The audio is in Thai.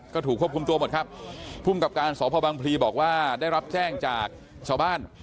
ก็ถูกควบคุมตัวหมดครับภูมิกับการสพบังพลีบอกว่าได้รับแจ้งจากชาวบ้าน